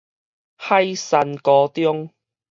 海山高中